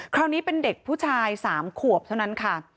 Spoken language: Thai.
คราวนี้เป็นเด็กผู้ชาย๓ขวบเท่านั้นค่ะ